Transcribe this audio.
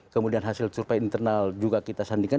kemudian hasil survei internal juga kita sandingkan